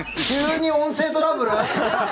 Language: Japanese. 急に音声トラブル？